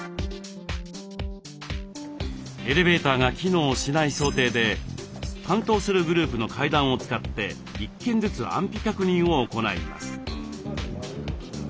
エレベーターが機能しない想定で担当するグループの階段を使って１軒ずつ安否確認を行います。